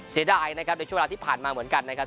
เสียดายนะครับในช่วงเวลาที่ผ่านมาเหมือนกันนะครับ